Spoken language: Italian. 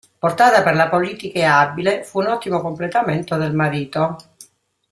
Portata per la politica e abile, fu un ottimo completamento del marito.